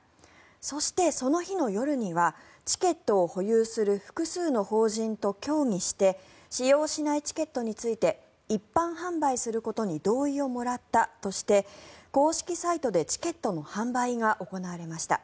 そしてその日の夜にはチケットを保有する複数の法人と協議して使用しないチケットについて一般販売することについて同意をもらったとして公式サイトでチケットの販売が行われました。